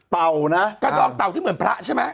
เต่านะกระดองเต่าที่เหมือนพระใช่ไหม